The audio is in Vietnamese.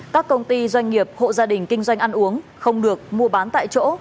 các công ty doanh nghiệp hộ gia đình kinh doanh ăn uống không được mua bán tại chỗ